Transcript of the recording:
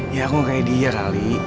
ya aku kayak dia kali